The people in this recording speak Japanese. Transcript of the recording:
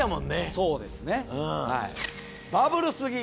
そうですね。